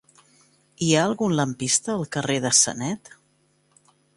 Hi ha algun lampista al carrer de Sanet?